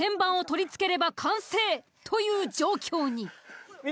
という状況に。